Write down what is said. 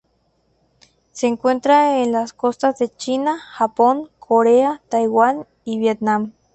Se encuentra en las costas de la China, Japón, Corea, Taiwán y Vietnam.